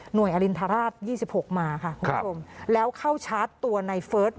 หน่วยอลินทราสตร์๒๖มาค่ะครับผมแล้วเข้าชาร์จตัวในเฟิร์ส